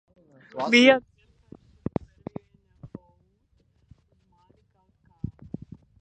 Bijāt vienkārši perving out uz mani kaut kā?